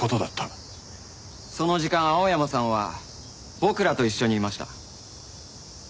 その時間青山さんは僕らと一緒にいました。